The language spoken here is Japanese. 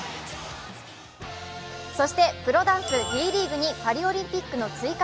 そしてプロダンスＤ．ＬＥＡＧＵＥにパリオリンピックの追加